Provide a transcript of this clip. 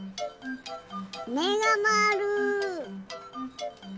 めがまわる。